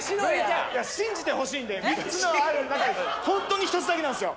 信じてほしいんで３つのある中にホントに１つだけなんですよ